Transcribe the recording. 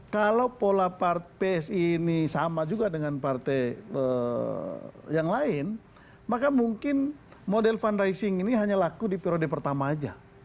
kalau pola psi ini sama juga dengan partai yang lain maka mungkin model fundraising ini hanya laku di periode pertama aja